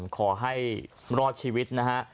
ขอให้รอดชีวิตนะฮะ